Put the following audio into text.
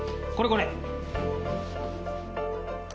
これこれ。